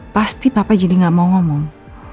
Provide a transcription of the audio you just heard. pasti papa jadi gak mau ngomong